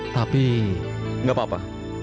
tapi tidak apa apa